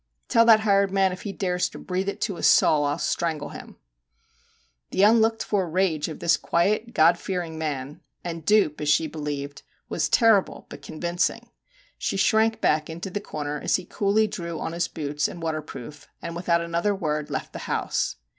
Tell that hired man if he dares to breathe it to a soul I '11 strangle him/ The unlooked for rage of this quiet God fearing man and dupe as she believed was terrible but convincing. She shrank back into the corner as he coolly drew on his boots and waterproof, and without another word left the house.